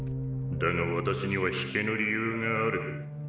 だが私には引けぬ理由がある。